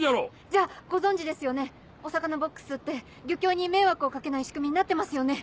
じゃあご存じですよねお魚ボックスって漁協に迷惑を掛けない仕組みになってますよね。